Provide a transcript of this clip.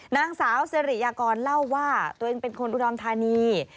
นางสาวสิริยากรเล่าว่าตัวเองเป็นคนอุดรธานี